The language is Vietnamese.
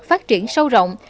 phát triển sâu rộng